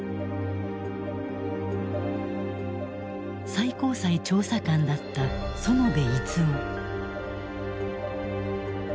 最高裁調査官だった園部逸夫。